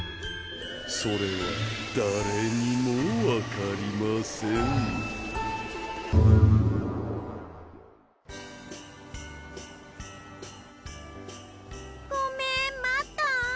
それは誰にもわかりませんごめん待った？